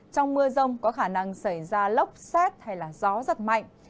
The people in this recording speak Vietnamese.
trong mưa rông có khả năng xảy ra lốc xét hay là gió giật mạnh